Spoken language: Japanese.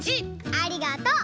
ありがとう！